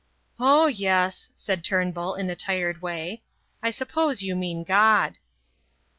"Oh, yes," said Turnbull in a tired way, "I suppose you mean God."